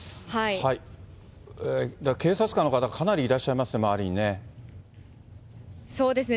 警察官の方、かなりいらっしゃいますね、そうですね。